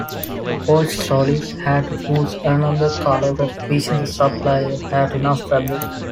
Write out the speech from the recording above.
Coach Solis had to choose another color of which the supplier had enough fabric.